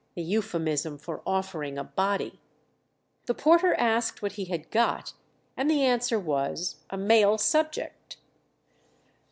the euphemism for offering a body. The porter asked what he had got, and the answer was, a male subject.